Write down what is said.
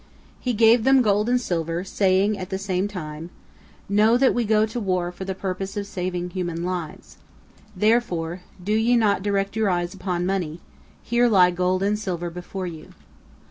He gave them gold and silver, saying at the same time: "Know that we go to war for the purpose of saving human lives. Therefore, do ye not direct your eyes upon money, here lie gold and silver before you."